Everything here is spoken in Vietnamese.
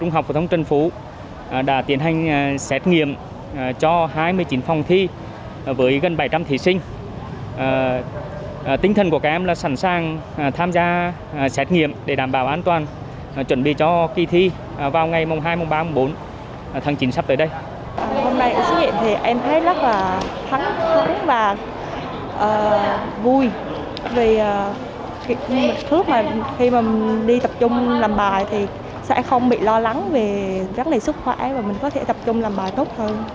hôm nay xét nghiệm thì em thấy rất là thắng vui vì khi mà đi tập trung làm bài thì sẽ không bị lo lắng về trang lý sức quen và mình có thể tập trung làm bài tốt hơn